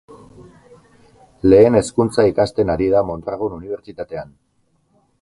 Lehen Hezkuntza ikasten ari da Mondragon Unibertsitatean.